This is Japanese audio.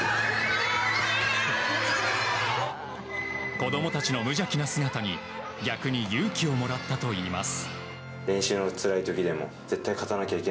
子供たちの無邪気な姿に逆に勇気をもらったといいます。